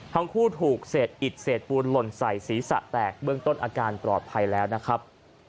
ทั้งคู่ถูกเศษอิดเศษปูนหล่นใส่ศีรษะแตกเบื้องต้นอาการปลอดภัยแล้วนะครับ